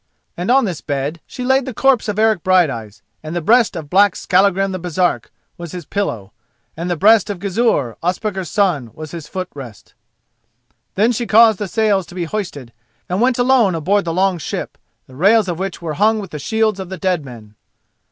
And on this bed she laid the corpse of Eric Brighteyes, and the breast of black Skallagrim the Baresark was his pillow, and the breast of Gizur, Ospakar's son, was his foot rest. Then she caused the sails to be hoisted, and went alone aboard the long ship, the rails of which were hung with the shields of the dead men.